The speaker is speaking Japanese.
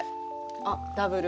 あっダブル。